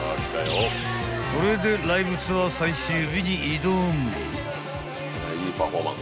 ［これでライブツアー最終日に挑む］